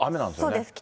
そうです。